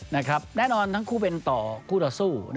แน่นอนทั้งคู่เป็นต่อคู่ต่อสู้